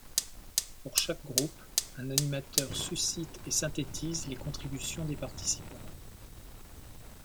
Pour chaque groupe un animateur suscite et synthétise les contributions des participants.